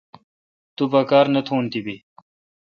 تو پا کار نہ تھون تی بی۔